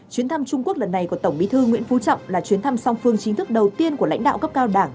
chuyến thăm trung quốc lần này của tổng bí thư nguyễn phú trọng là chuyến thăm song phương chính thức đầu tiên của lãnh đạo cấp cao đảng